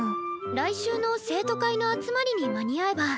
来週の生徒会の集まりに間に合えば。